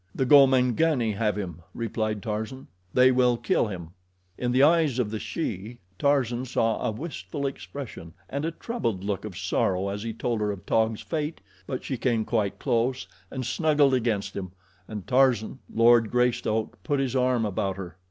"The Gomangani have him," replied Tarzan. "They will kill him." In the eyes of the she, Tarzan saw a wistful expression and a troubled look of sorrow as he told her of Taug's fate; but she came quite close and snuggled against him, and Tarzan, Lord Greystoke, put his arm about her.